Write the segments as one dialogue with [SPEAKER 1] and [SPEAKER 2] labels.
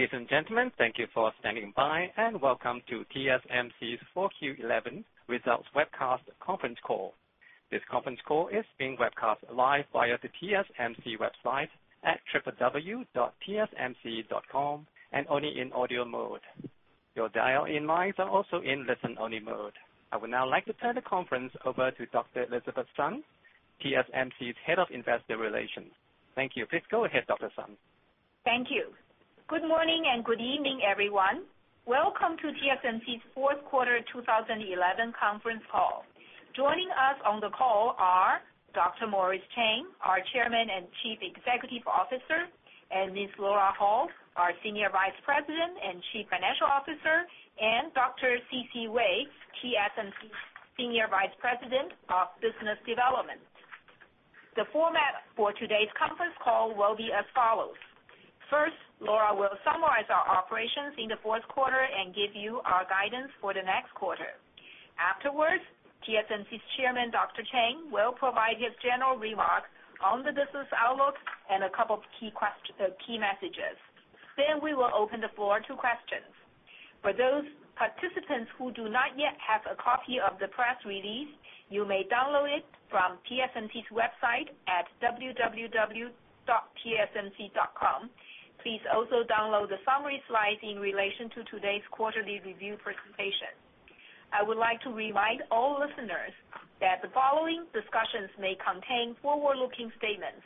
[SPEAKER 1] Ladies and gentlemen, thank you for standing by, and welcome to TSMC's 4Q11 Results Webcast Conference Call. This conference call is being webcast live via the TSMC website at www.tsmc.com and only in audio mode. Your dial-in mics are also in listen-only mode. I would now like to turn the conference over to Dr. Elizabeth Sun, TSMC's Head of Investor Relations. Thank you. Please go ahead, Dr. Sun.
[SPEAKER 2] Thank you. Good morning and good evening, everyone. Welcome to TSMC's fourth qarter 2011 conference call. Joining us on the call are Dr. Morris Chang, our Chairman and Chief Executive Officer, Ms. Lora Ho, our Senior Vice President and Chief Financial Officer, and Dr. C.C. Wei, TSMC's Senior Vice President of Business Development. The format for today's conference call will be as follows. First, Lora will summarize our operations in the fourth quarter and give you our guidance for the next quarter. Afterwards, TSMC's Chairman Dr. Chang will provide his general remarks on the business outlook and a couple of key messages. We will open the floor to questions. For those participants who do not yet have a copy of the press release, you may download it from TSMC's website at www.tsmc.com. Please also download the summary slides in relation to today's quarterly review presentation. I would like to remind all listeners that the following discussions may contain forward-looking statements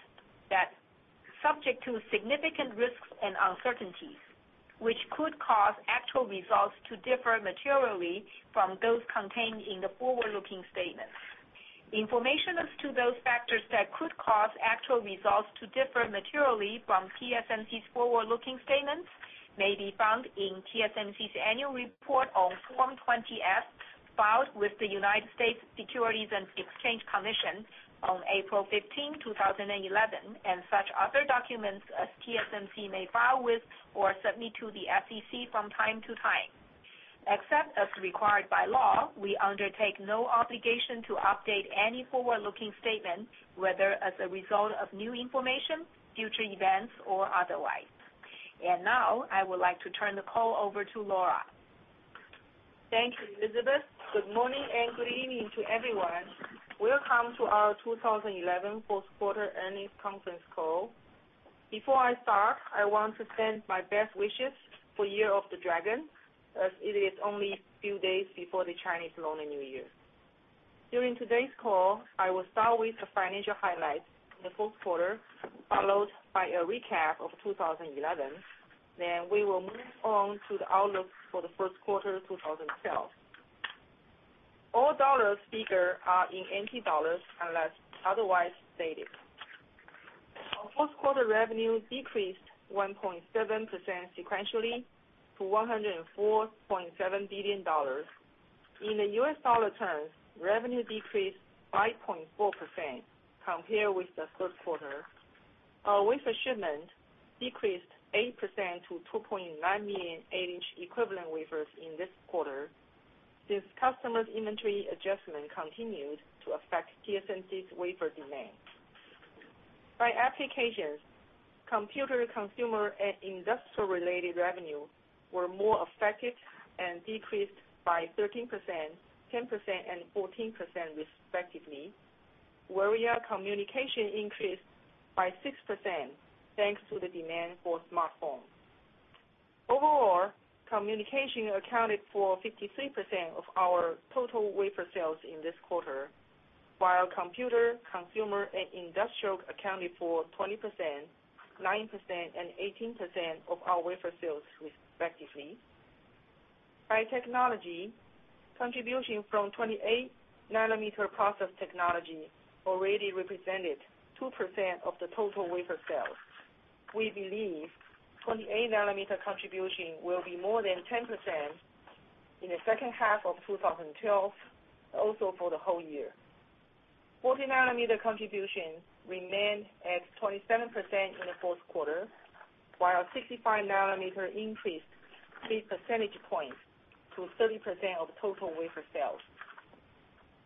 [SPEAKER 2] that are subject to significant risks and uncertainties, which could cause actual results to differ materially from those contained in the forward-looking statements. Information as to those factors that could cause actual results to differ materially from TSMC's forward-looking statements may be found in TSMC's annual report on Form 20-F filed with the United States Securities and Exchange Commission on April 15th, 2011, and such other documents as TSMC may file with thor submit to the SEC from time to time. Except as required by law, we undertake no obligation to update any forward-looking statement, whether as a result of new information, future events, or otherwise. I would like to turn the call over to Lora.
[SPEAKER 3] Thank you, Elizabeth. Good morning and good evening to everyone. Welcome to our 2011 fourth quarter earnings conference call. Before I start, I want to send my best wishes for the Year of the Dragon, as it is only a few days before the Chinese Lunar New Year. During today's call, I will start with the financial highlights in the fourth quarter, followed by a recap of 2011. Then we will move on to the outlook for the first quarter 2012. All dollar figures are in NT dollars unless otherwise stated. Fourth quarter revenue decreased 1.7% sequentially to NT$104.7 billion. In U.S. dollar terms, revenue decreased 5.4% compared with the third quarter. Our wafer shipment decreased 8% to NT$2.9 million 8-inch equivalent wafers in this quarter. This customer inventory adjustment continued to affect TSMC's wafer demand. By applications, computer, consumer, and industrial-related revenue were more affected and decreased by 13%, 10%, and 14% respectively. Wireless communication increased by 6% thanks to the demand for smartphones. Overall, communication accounted for 53% of our total wafer sales in this quarter, while computer, consumer, and industrial accounted for 20%, 9%, and 18% of our wafer sales respectively. By technology, contribution from 28 nm process technology already represented 2% of the total wafer sales. We believe 28 nm contribution will be more than 10% in the second half of 2012, also for the whole year. 40 nm contribution remained at 27% in the fourth quarter, while 65 nm increased 3%-30% of total wafer sales.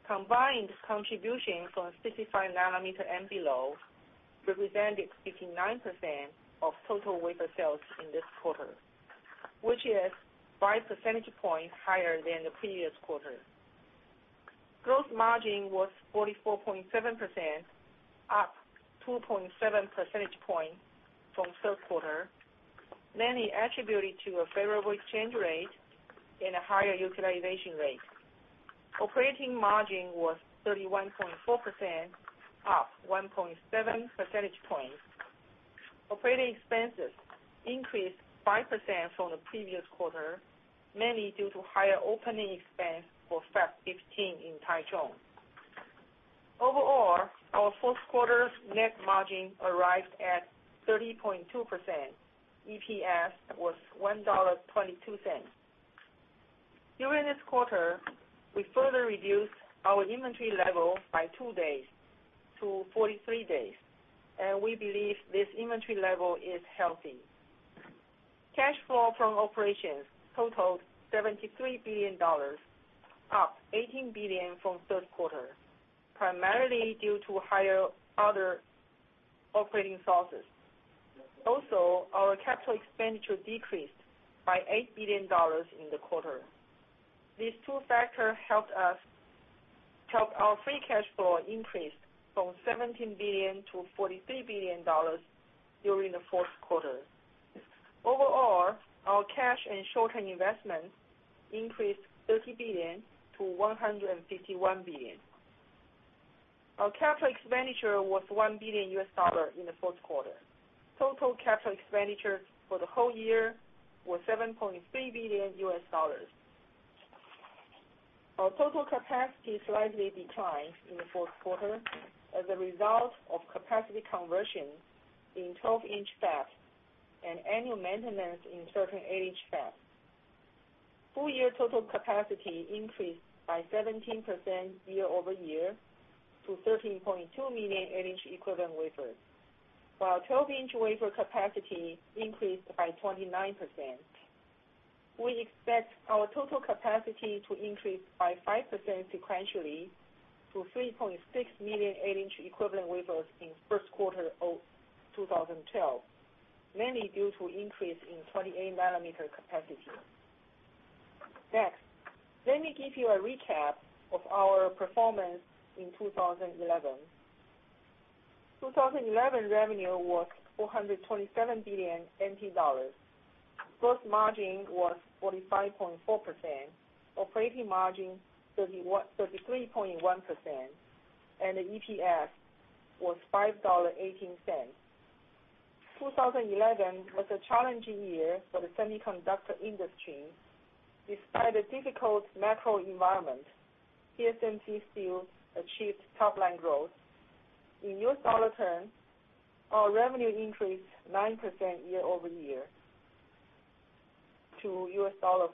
[SPEAKER 3] Combined contribution from 65 nm and below represented 59% of total wafer sales in this quarter, which is 5 percentage points higher than the previous quarter. Gross margin was 44.7%, up 2.7% from the third quarter, mainly attributed to a favorable exchange rate and a higher utilization rate. Operating margin was 31.4%, up 1.7%. Operating expenses increased 5% from the previous quarter, mainly due to higher opening expense for Fab 15 in Taichung. Overall, our fourth quarter's net margin arrived at 30.2%. EPS was NT$1.22. During this quarter, we further reduced our inventory level by 2 days to 43 days, and we believe this inventory level is healthy. Cash flow from operations totaled NT$73 billion, up NT$18 billion from the third quarter, primarily due to higher other operating sources. Also, our capital expenditure decreased by NT$8 billion in the quarter. These two factors helped us help our free cash flow increase from NT$17 billion-NT$43 billion during the fourth quarter. Overall, our cash and short-term investments increased NT$30 billion-NT$151 billion. Our capital expenditure was $1 billion in the fourth quarter. Total capital expenditures for the whole year were $7.3 billion. Our total capacity slightly declined in the fourth quarter as a result of capacity conversion in 12-inch fabs and annual maintenance in certain 8-inch fabs. Full-year total capacity increased by 17% year-over-year to 13.2 million 8-inch equivalent wafers, while 12-inch wafer capacity increased by 29%. We expect our total capacity to increase by 5% sequentially to 3.6 million 8-inch equivalent wafers in the first quarter of 2012, mainly due to an increase in 28nm capacity. Next, let me give you a recap of our performance in 2011. 2011 revenue was NT$427 billion. Gross margin was 45.4%, operating margin 33.1%, and the EPS was NT$5.18. 2011 was a challenging year for the semiconductor industry. Despite a difficult macro environment, TSMC still achieved top-line growth. In U.S. dollar terms, our revenue increased 9% year-over-year to $14.5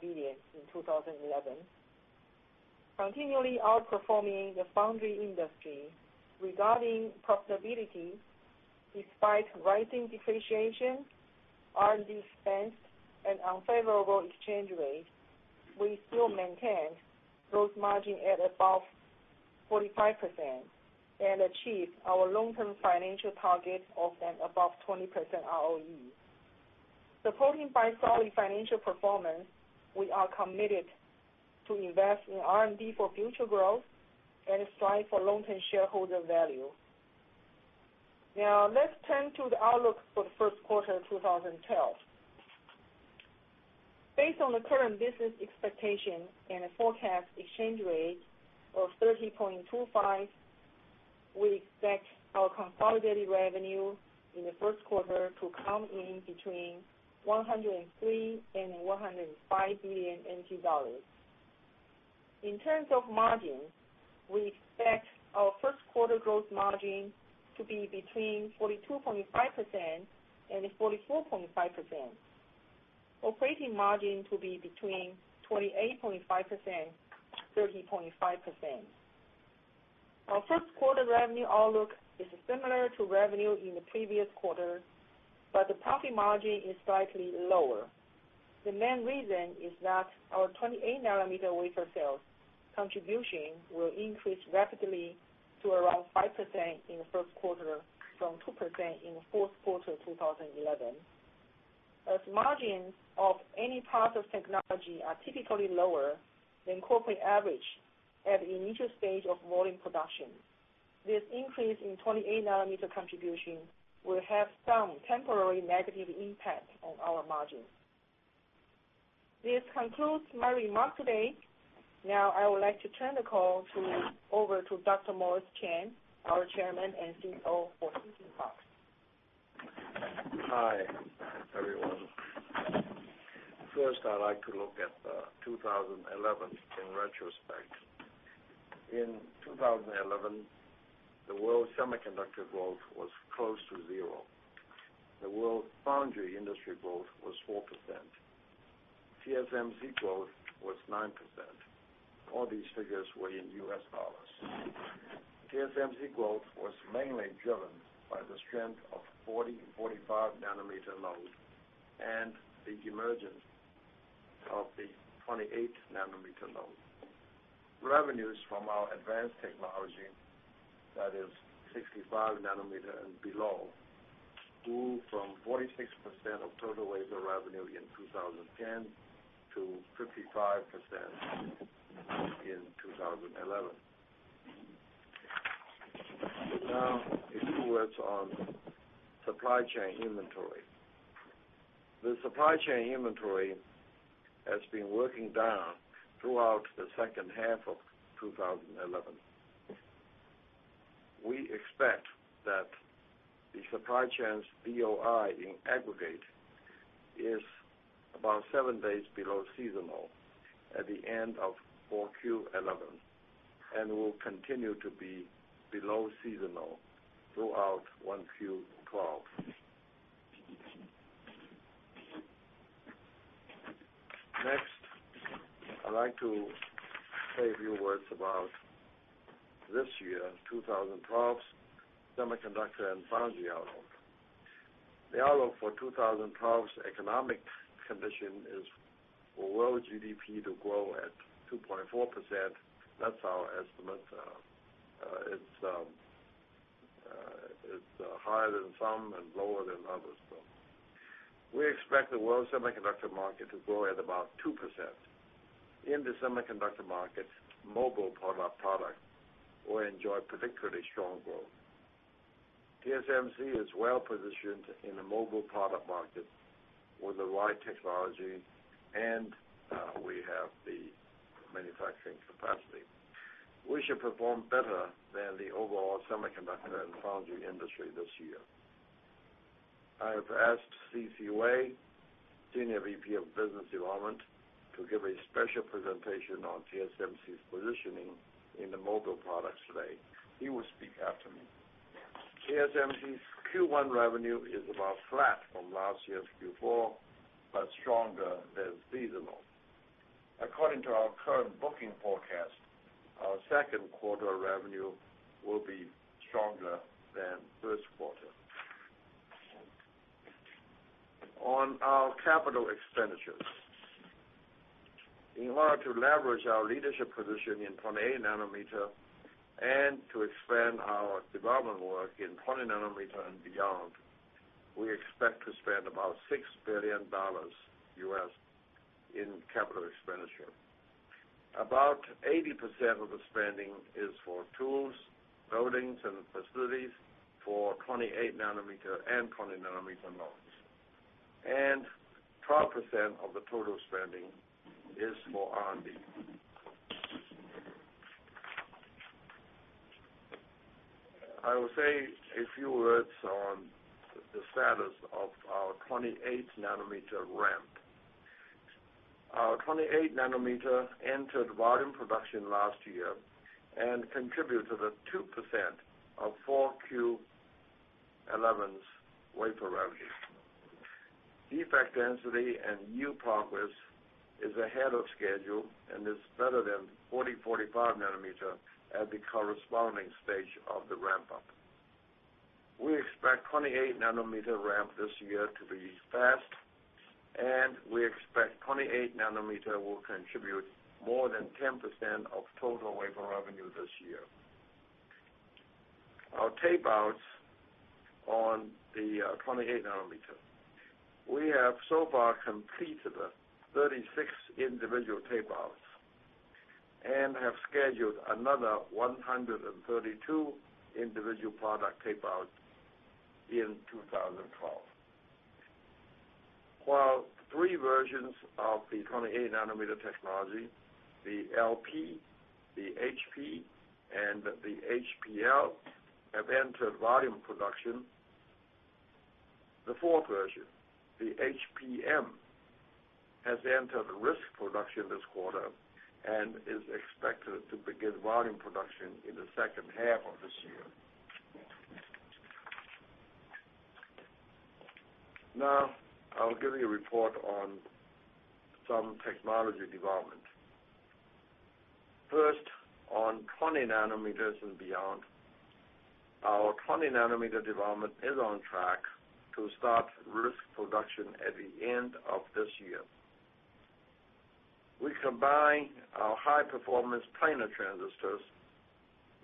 [SPEAKER 3] billion in 2011, continually outperforming the foundry industry. Regarding profitability, despite rising depreciation, R&D expense, and unfavorable exchange rates, we still maintained gross margin at above 45% and achieved our long-term financial target of an above 20% ROE. Supporting bystander financial performance, we are committed to invest in R&D for future growth and strive for long-term shareholder value. Now, let's turn to the outlook for the first quarter 2012. Based on the current business expectation and the forecast exchange rate of 30.25, we expect our consolidated revenue in the first quarter to come in between NT$103 billion and NT$105 billion. In terms of margin, we expect our first quarter gross margin to be between 42.5% and 44.5%, operating margin to be between 28.5% and 30.5%. Our first quarter revenue outlook is similar to revenue in the previous quarter, but the profit margin is slightly lower. The main reason is that our 28 nm wafer sales contribution will increase rapidly to around 5% in the first quarter from 2% in the fourth quarter 2011. As margins of any process technology are typically lower than corporate average at the initial stage of volume production, this increase in 28 nm contribution will have some temporary negative impact on our margins. This concludes my remarks today. Now, I would like to turn the call over to Dr. Morris Chang, our Chairman and CEO.
[SPEAKER 4] Hi, everyone. First, I'd like to look at 2011 in retrospect. In 2011, the world semiconductor growth was close to zero. The world foundry industry growth was 4%. TSMC growth was 9%. All these figures were in U.S. dollars. TSMC growth was mainly driven by the strength of 40 nm and 45 nm nodes and the emergence of the 28 nm node. Revenues from our advanced technology, that is 65 nm and below, grew from 46% of total wafer revenue in 2010 to 55% in 2011. Now, a few words on supply chain inventory. The supply chain inventory has been working down throughout the second half of 2011. We expect that the supply chain's DOI in aggregate is about seven days below seasonal at the end of 4Q11 and will continue to be below seasonal throughout 1Q 2012. Next, I'd like to say a few words about this year, 2012's semiconductor and foundry outlook. The outlook for 2012's economic condition is for world GDP to grow at 2.4%. That's our estimate. It's higher than some and lower than others, though. We expect the world semiconductor market to grow at about 2%. In the semiconductor market, mobile products will enjoy particularly strong growth. TSMC is well-positioned in the mobile product market with the right technology, and we have the manufacturing capacity. We should perform better than the overall semiconductor and foundry industry this year. I have asked Dr. C.C. Wei, Senior Vice President of Business Development, to give a special presentation on TSMC's positioning in the mobile products today. He will speak after me. TSMC's Q1 revenue is about flat from last year's Q4 but stronger than seasonal. According to our current booking forecast, our second quarter revenue will be stronger than the first quarter. On our capital expenditures, in order to leverage our leadership position in 28 nm and to expand our development work in 20 nm and beyond, we expect to spend about $6 billion in capital expenditure. About 80% of the spending is for tools, buildings, and facilities for 28 nm and 20 nm nodes. 12% of the total spending is for R&D. I will say a few words on the status of our 28 nm ramp. Our 28 nm entered volume production last year and contributed to 2% of 4Q 2011's wafer revenue. Defect density and yield performance is ahead of schedule and is better than 40 nm, 45nm at the corresponding stage of the ramp-up. We expect the 28 nm ramp this year to be fast, and we expect 28 nm will contribute more than 10% of total wafer revenue this year. Our tapeouts on the 28 nm, we have so far completed 36 individual tapeouts and have scheduled another 132 individual product tapeouts in 2012. While three versions of the 28 nm technology, the LP, the HP, and the HPL, have entered volume production, the fourth version, the HPM, has entered risk production this quarter and is expected to begin volume production in the second half of this year. Now, I'll give you a report on some technology development. First, on 20 nm and beyond, our 20 nm development is on track to start risk production at the end of this year. We combine our high-performance planar transistors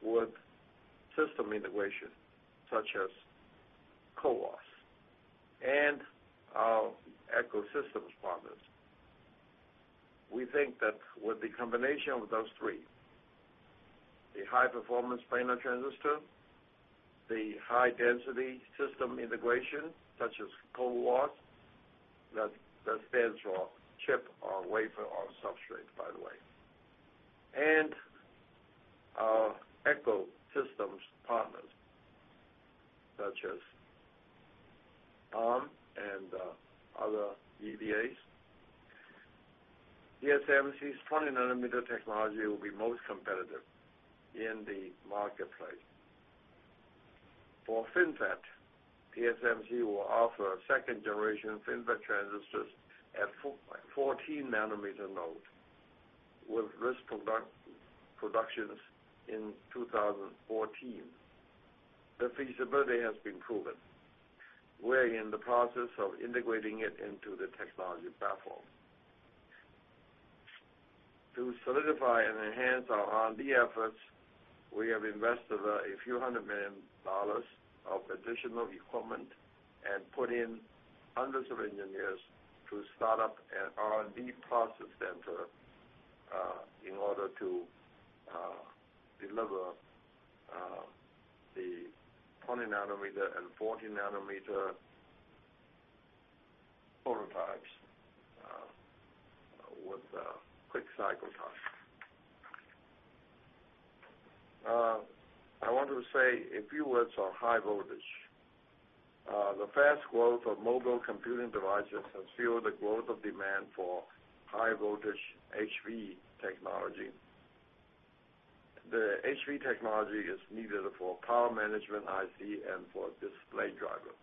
[SPEAKER 4] with system integration such as CoWoS and our ecosystem partners. We think that with the combination of those three, the high-performance planar transistor, the high-density system integration such as CoWoS, that stands for Chip on Wafer on Substrate, by the way, and our ecosystem partners such as ARM and other EDAs, TSMC's 20 nm technology will be most competitive in the marketplace. For FinFET, TSMC will offer second-generation FinFET transistors at 14 nm nodes with risk productions in 2014. The feasibility has been proven. We're in the process of integrating it into the technology platform. To solidify and enhance our R&D efforts, we have invested a few $100 million of additional equipment and put in hundreds of engineers to start up an R&D process center in order to deliver the 20 nm and 40 nm prototypes with quick cycle times. I want to say a few words on high voltage. The fast growth of mobile computing devices has fueled the growth of demand for high-voltage HV technology. The HV technology is needed for power management IC and for display drivers.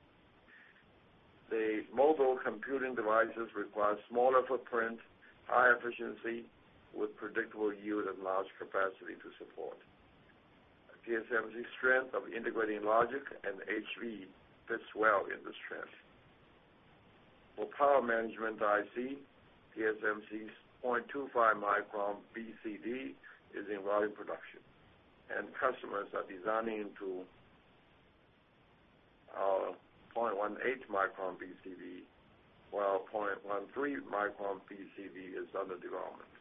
[SPEAKER 4] The mobile computing devices require a smaller footprint, high efficiency with predictable yield and large capacity to support. TSMC's strength of integrating logic and HV fits well in the strength. For power management, I see TSMC's 0.25 micron BCD is in volume production, and customers are designing to 0.18 micron BCD while 0.13 micron BCD is under development.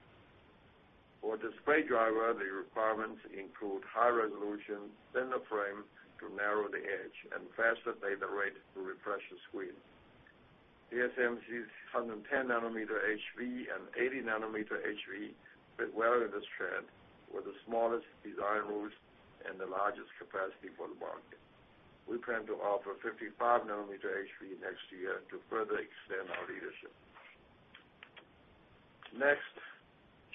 [SPEAKER 4] For the display driver, the requirements include high-resolution thinner frame to narrow the edge and faster data rate to refresh the screen. TSMC's 110- nm HV and 80 nm HV fit well in the strength with the smallest design rules and the largest capacity for the market. We plan to offer 5 nm HV next year to further extend our leadership. Next,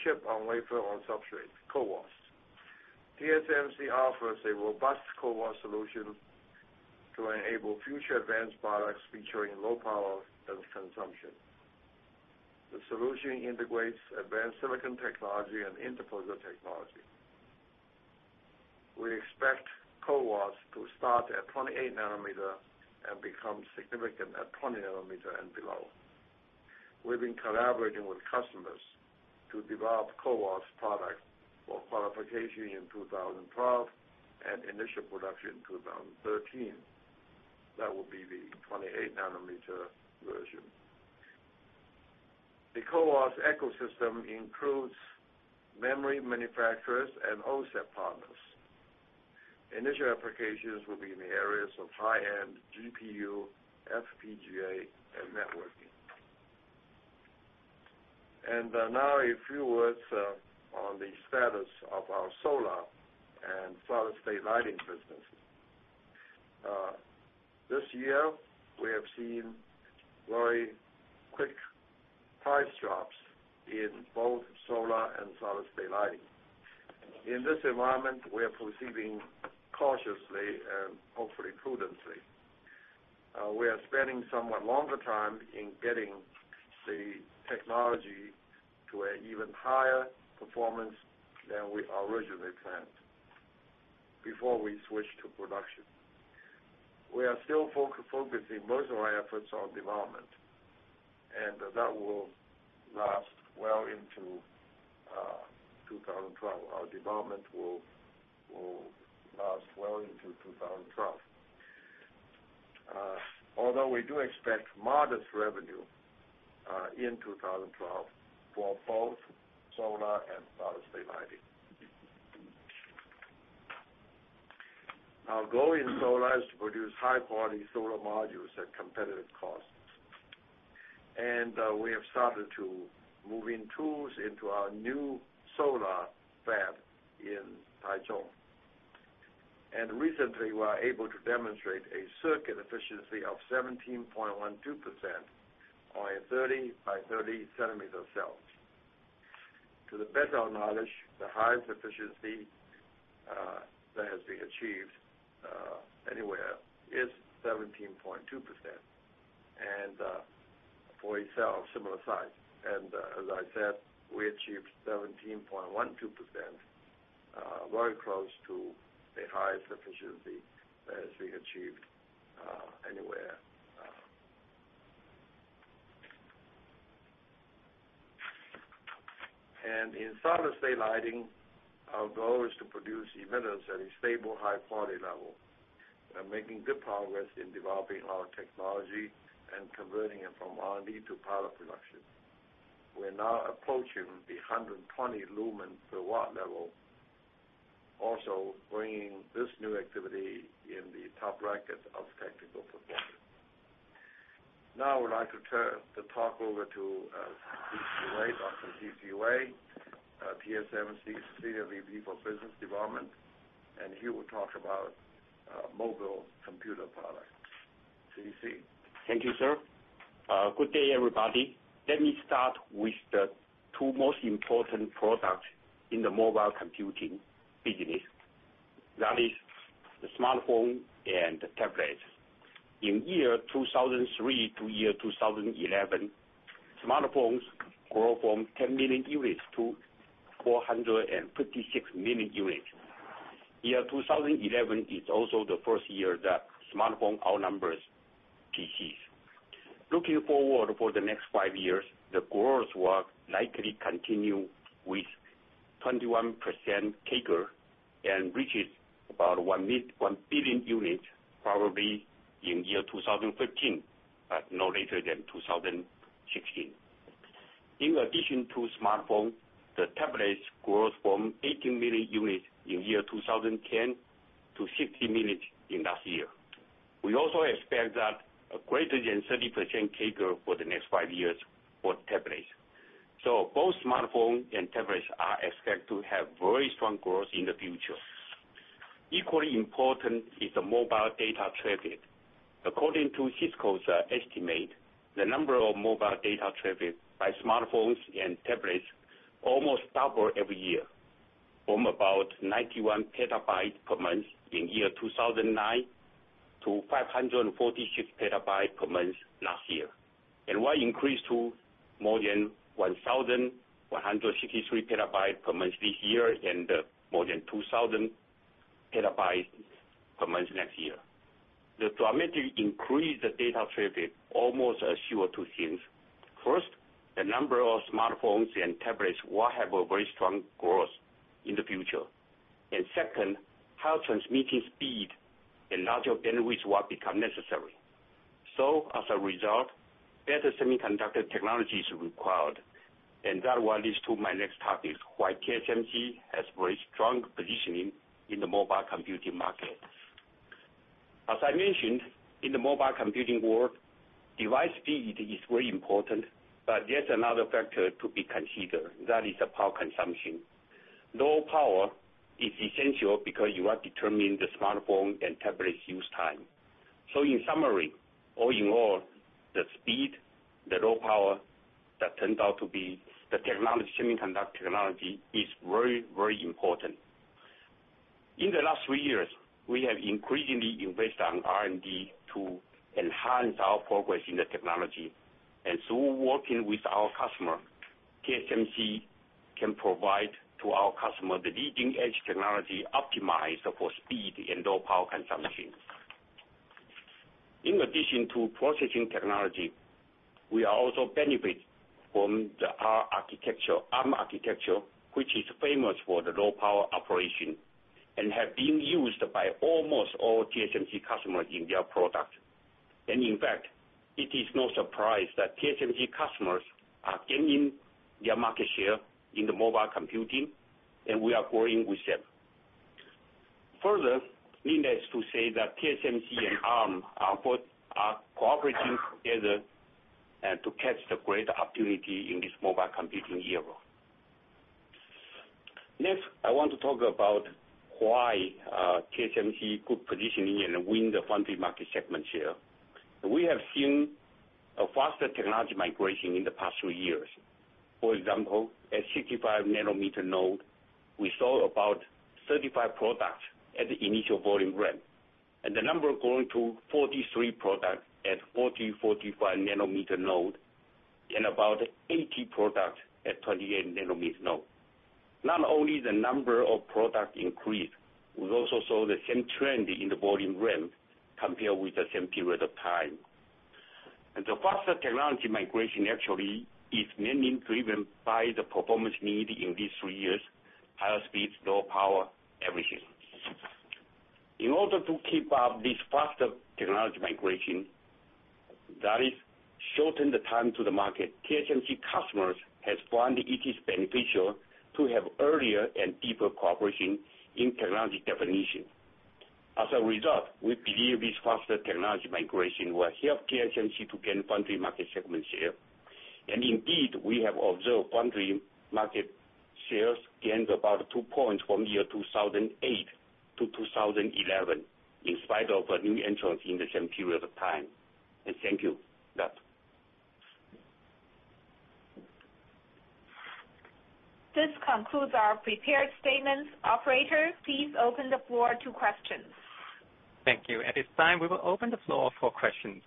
[SPEAKER 4] chip on wafer on substrate, CoWoS. TSMC offers a robust CoWoS solution to enable future advanced products featuring low power and consumption. The solution integrates advanced silicon technology and interposer technology. We expect CoWoS to start at 28 nm and become significant at 20 nm and below. We've been collaborating with customers to develop CoWoS products for qualification in 2012 and initial production in 2013. That would be the 28 nm version. The CoWoS ecosystem includes memory manufacturers and OSEP partners. Initial applications will be in the areas of high-end GPU, FPGA, and networking. A few words on the status of our solar and solid-state lighting business. This year, we have seen very quick price drops in both solar and solid-state lighting. In this environment, we are proceeding cautiously and hopefully prudently. We are spending somewhat longer time in getting the technology to an even higher performance than we originally planned before we switch to production. We are still focusing most of our efforts on development, and that will last well into 2012. Our development will last well into 2012. Although we do expect modest revenue in 2012 for both solar and solid-state lighting. Our goal in solar is to produce high-quality solar modules at competitive costs. We have started to move in tools into our new solar fab in Taichung. Recently, we were able to demonstrate a circuit efficiency of 17.12% on a 30 by 30 cm cells. To the best of our knowledge, the highest efficiency that has been achieved anywhere is 17.2% for a cell of similar size. As I said, we achieved 17.12%, very close to the highest efficiency that has been achieved. In solid-state lighting, our goal is to produce emitters at a stable high-quality level. We are making good progress in developing our technology and converting it from R&D to pilot production. We're now approaching the 120 lumen per watt level, also bringing this new activity in the top bracket of technical performance. Now, I would like to turn the talk over to C.C. Wei. Dr. C.C. Wei, TSMC's Senior Vice President for Business Development, and he will talk about mobile computer products. C.C.
[SPEAKER 5] Thank you, sir. Good day, everybody. Let me start with the two most important products in the mobile computing business. That is the smartphone and the tablets. In the year 2003 to the year 2011, smartphones grew from 10 million units to 456 million units. The year 2011 is also the first year that smartphone outnumbered PCs. Looking forward for the next five years, the growth will likely continue with 21% CAGR and reaches about 1 billion units probably in the year 2015, but no later than 2016. In addition to smartphones, the tablets grew from 18 million units in the year 2010 to 60 million units in that year. We also expect that a greater than 30% CAGR for the next five years for the tablets. Both smartphones and tablets are expected to have very strong growth in the future. Equally important is the mobile data traffic. According to Cisco's estimate, the number of mobile data traffic by smartphones and tablets almost doubled every year from about 91 PB per month in the year 2009 to 546 PB per month last year. One increase to more than 1,163 PB per month this year and more than 2,000 PB per month next year. The dramatic increase in data traffic almost shows two things. First, the number of smartphones and tablets will have a very strong growth in the future. Second, higher transmitting speed and larger bandwidth will become necessary. As a result, better semiconductor technology is required. That will lead to my next topic, why TSMC has very strong positioning in the mobile computing market. As I mentioned, in the mobile computing world, device speed is very important, but there's another factor to be considered. That is the power consumption. Low power is essential because you are determining the smartphone and tablet's use time. In summary, all in all, the speed, the low power that turns out to be the technology semiconductor technology is very, very important. In the last three years, we have increasingly invested in R&D to enhance our progress in the technology. Through working with our customers, TSMC can provide to our customers the leading-edge technology optimized for speed and low power consumption. In addition to processing technology, we also benefit from the ARM architecture, which is famous for the low power operation and has been used by almost all TSMC customers in their products. In fact, it is no surprise that TSMC customers are gaining their market share in mobile computing, and we are growing with them. Further, needless to say that TSMC and ARM are both cooperating together to catch the great opportunity in this mobile computing era. Next, I want to talk about why TSMC's good positioning helps win the foundry market segment share. We have seen a faster technology migration in the past three years. For example, at the 65 nm node, we saw about 35 products at the initial volume ramp, and the number growing to 43 products at the 40 nm, 45 nm nodes and about 80 products at the 28 nm node. Not only has the number of products increased, we also saw the same trend in the volume ramp compared with the same period of time. The faster technology migration actually is mainly driven by the performance need in these three years: higher speeds, low power, everything. In order to keep up this faster technology migration, that is, shorten the time to market, TSMC customers have found it is beneficial to have earlier and deeper cooperation in technology definition. As a result, we believe this faster technology migration will help TSMC to gain foundry market segment share. Indeed, we have observed foundry market shares gained about 2 points from the year 2008-2011 in spite of a new entrance in the same period of time. Thank you. That's.
[SPEAKER 2] This concludes our prepared statements. Operators, please open the floor to questions.
[SPEAKER 1] Thank you. At this time, we will open the floor for questions.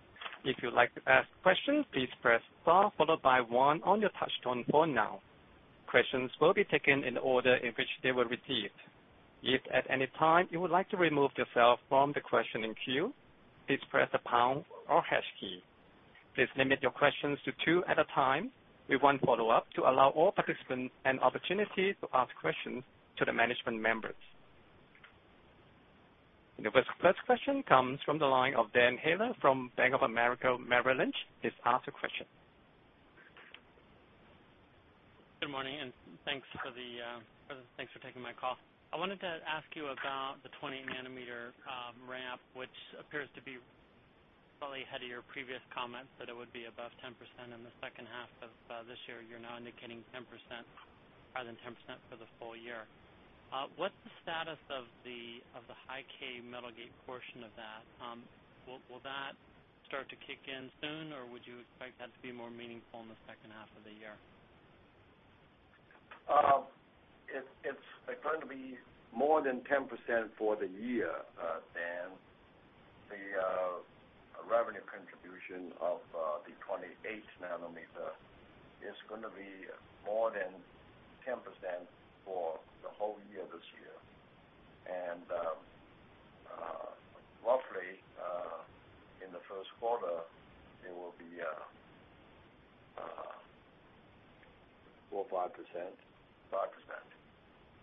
[SPEAKER 1] If you would like to ask questions, please press star followed by one on your touchtone for now. Questions will be taken in the order in which they were received. If at any time you would like to remove yourself from the questioning queue, please press the pound or hash key. Please limit your questions to two at a time with one follow-up to allow all participants an opportunity to ask questions to the management members. The first question comes from the line of Dan Heyler from Bank of America Securities. Please ask a question.
[SPEAKER 6] Good morning, and thanks for taking my call. I wanted to ask you about the 2nm ramp, which appears to be probably ahead of your previous comments, but it would be above 10% in the second half of this year. You're now indicating 10%, higher than 10% for the full year. What's the status of the high-K metal gate portion of that? Will that start to kick in soon, or would you expect that to be more meaningful in the second half of the year?
[SPEAKER 4] It's going to be more than 10% for the year then. The revenue contribution of the 28 nm node is going to be more than 10% for the whole year this year. Roughly, in the first quarter, it will be 4%, 5%, 5%.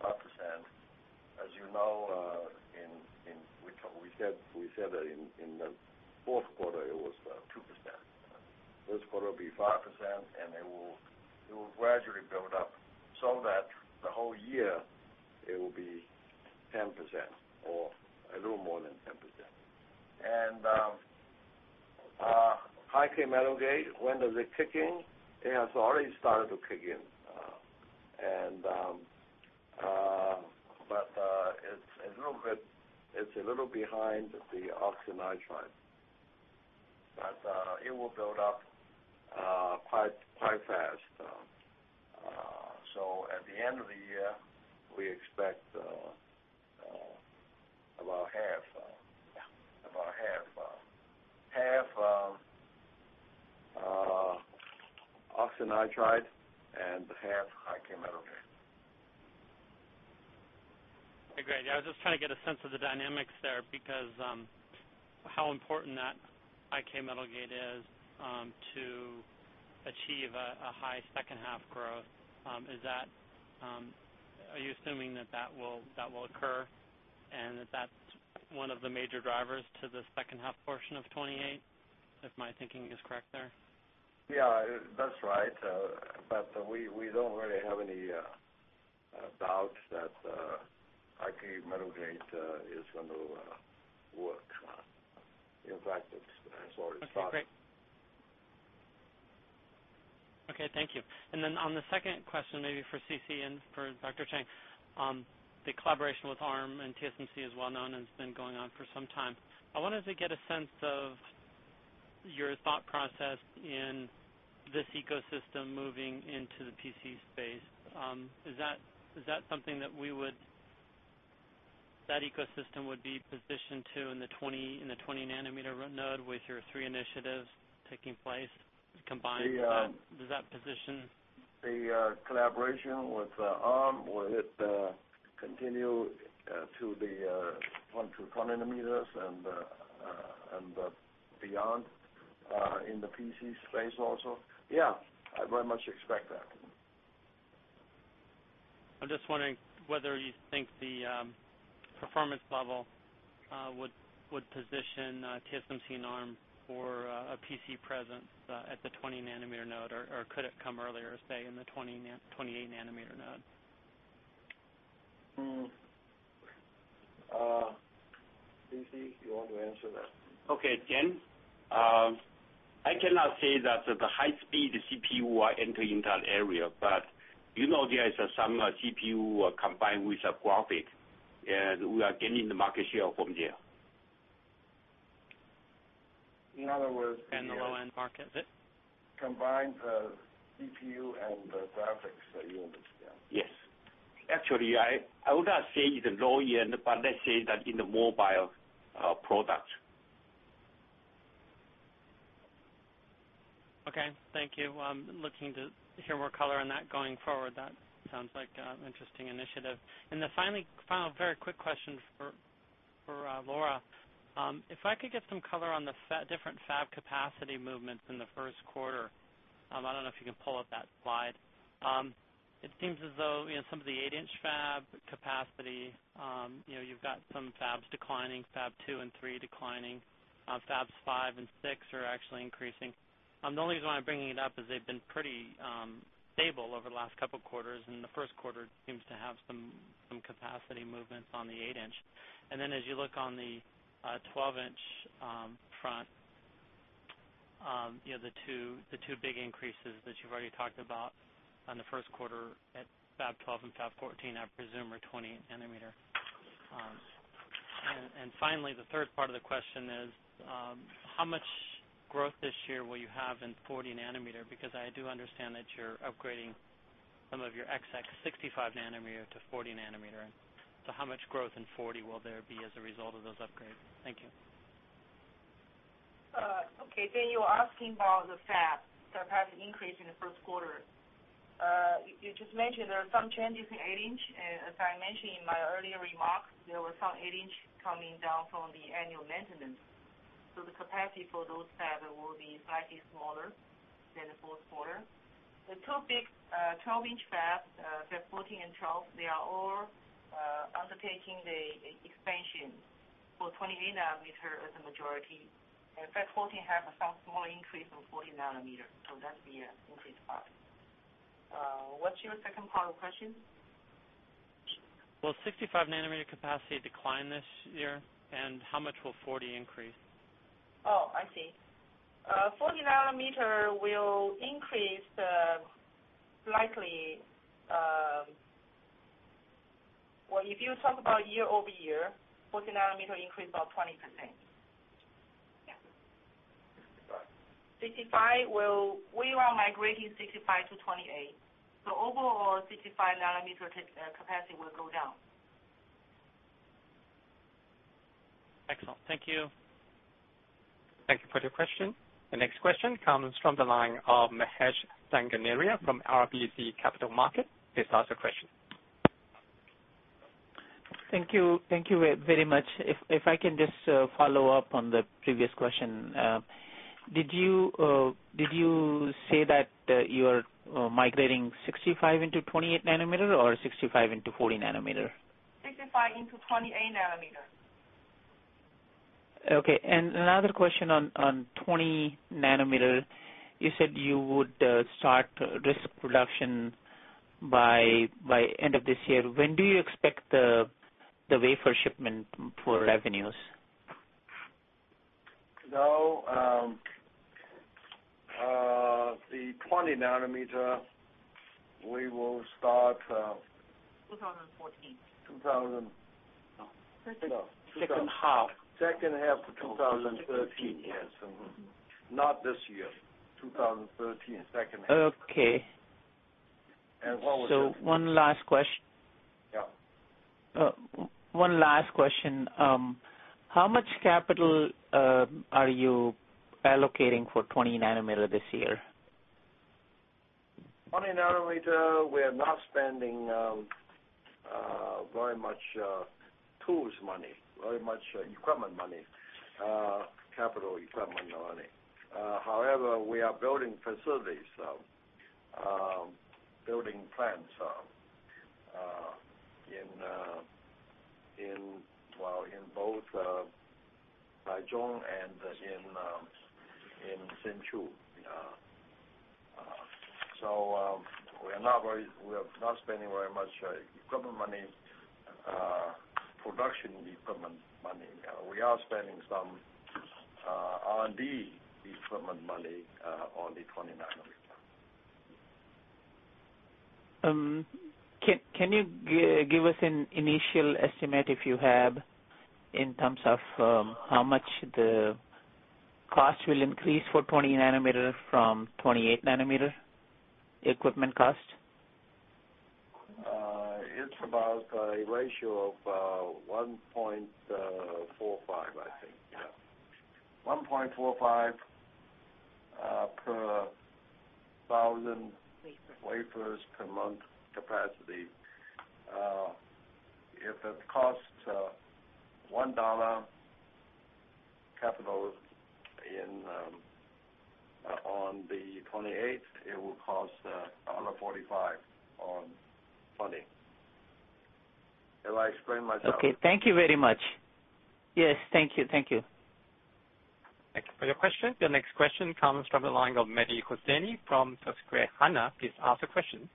[SPEAKER 4] As you know, we said that in the fourth quarter, it was 2%. This quarter will be 5%, and it will gradually build up so that for the whole year, it will be 10% or a little more than 10%. High-K metal gate, when does it kick in? It has already started to kick in. It's a little bit behind the oxy nitride, but it will build up quite fast. At the end of the year, we expect about half oxy nitride and half high-K metal gate.
[SPEAKER 6] Agreed. I was just trying to get a sense of the dynamics there because how important that high-K metal gate is to achieve a high second-half growth. Is that, are you assuming that that will occur and that that's one of the major drivers to the second-half portion of 2028, if my thinking is correct there?
[SPEAKER 4] Yeah, that's right. We don't really have any doubts that high-K metal gate is going to work. In fact, it's already started.
[SPEAKER 6] Okay. Thank you. On the second question, maybe for C.C. and for Dr. Chang, the collaboration with ARM and TSMC is well known and has been going on for some time. I wanted to get a sense of your thought process in this ecosystem moving into the PC space. Is that something that we would, that ecosystem would be positioned to in the 20nm node with your three initiatives taking place combined? Does that position?
[SPEAKER 4] The collaboration with ARM will continue to the 20 nm and beyond in the PC space also. Yeah, I very much expect that.
[SPEAKER 6] I'm just wondering whether you think the performance level would position TSMC and ARM for a PC presence at the 20 nm node, or could it come earlier, say, in the 28 nm node?
[SPEAKER 4] C.C., you want to answer that?
[SPEAKER 5] Okay, Dan. I cannot say that the high-speed CPU are entering that area, but you know there is some CPU combined with graphics, and we are gaining the market share from there.
[SPEAKER 4] In other words.
[SPEAKER 6] The low-end market?
[SPEAKER 4] Combined the CPU and the graphics, you understand?
[SPEAKER 5] Yes. Actually, I would not say the low-end, but let's say that in the mobile product.
[SPEAKER 6] Okay. Thank you. I'm looking to hear more color on that going forward. That sounds like an interesting initiative. The final very quick question for Lora. If I could get some color on the different fab capacity movements in the first quarter, I don't know if you can pull up that slide. It seems as though some of the 8-inch fab capacity, you've got some fabs declining, fab 2 and 3 declining, fabs 5 and 6 are actually increasing. The only reason why I'm bringing it up is they've been pretty stable over the last couple of quarters, and the first quarter seems to have some capacity movements on the 8-inch. As you look on the 12-inch front, you know the two big increases that you've already talked about in the first quarter at fab 12 and fab 14, I presume, are 2 nm. Finally, the third part of the question is, how much growth this year will you have in 40 nm? Because I do understand that you're upgrading some of your 65 nm-40 nm. How much growth in 40 nm will there be as a result of those upgrades? Thank you.
[SPEAKER 3] Okay. You were asking about the fab capacity increase in the first quarter. You just mentioned there are some changes in 8-inch. As I mentioned in my earlier remarks, there were some 8-inch coming down from the annual maintenance. The capacity for those fabs will be slightly smaller than the fourth quarter. The two big 12-inch fabs, Fab 14 and 12, are all undertaking the expansion for 20 nm as the majority. Fab 14 has some small increase from 40 nm. That's the increase part. What's your second part of the question?
[SPEAKER 6] Will 65 nm capacity decline this year, and how much will 40 nm increase?
[SPEAKER 3] Oh, I see. 40 nm will increase slightly. If you talk about year-over-year, 40 nm increased about 20%. 65 nm, we are migrating 65 nm-28 nm. Overall, 65 nm capacity will go down.
[SPEAKER 6] Excellent. Thank you.
[SPEAKER 1] Thank you for your question. The next question comes from the line of Mahesh Sanganeria from RBC Capital Markets. Please ask a question.
[SPEAKER 7] Thank you. Thank you very much. If I can just follow up on the previous question, did you say that you are migrating 65 nm into 28 nm or 65 into 40 nm?
[SPEAKER 3] 65 nm into 28 nm.
[SPEAKER 7] Okay. Another question on 20 nm. You said you would start risk production by the end of this year. When do you expect the wafer shipment for avenues?
[SPEAKER 4] The 20 nm, we will start.
[SPEAKER 3] 2014.
[SPEAKER 4] No.
[SPEAKER 7] 2013?
[SPEAKER 4] Second half of 2013, yes. Not this year. 2013, second half.
[SPEAKER 7] Okay. What was, so one last question?
[SPEAKER 4] Yeah.
[SPEAKER 7] One last question. How much capital are you allocating for 20 nm this year?
[SPEAKER 4] 20 nm, we're not spending very much tools money, very much equipment money, capital equipment money. However, we are building facilities, building plants in both Taichung and in Sengzhou. We are not spending very much equipment money, production equipment money. We are spending some R&D equipment money on the 20 nm.
[SPEAKER 7] Can you give us an initial estimate if you have in terms of how much the cost will increase for 20 nm from 28 nm equipment cost?
[SPEAKER 4] It's about a ratio of 1:45, I think. Yeah, 1:45 per 1,000 wafers per month capacity. If it costs $1 capital on the 28 nm node, it will cost $1.45 on 20 nm. Have I explained myself?
[SPEAKER 7] Okay. Thank you very much. Yes, thank you. Thank you.
[SPEAKER 1] Thank you for your question. The next question comes from the line of Mehdi Hosseini from Susquehanna Financial Group. Hannah, please ask a question.